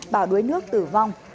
bảo đuối nước tử vong